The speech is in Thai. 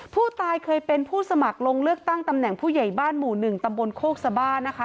ผู้ตายเคยเป็นผู้สมัครลงเลือกตั้งตำแหน่งผู้ใหญ่บ้านหมู่๑ตำบลโคกสบานะคะ